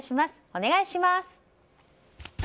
お願いします。